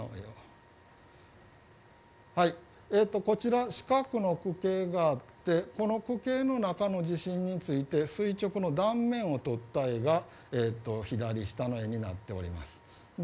こちら、四角の区系があってこの区形の中に地震について垂直の断面を取った形が左下の絵になっております。